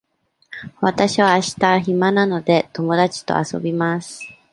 わたしはあした暇なので、友達と遊びます。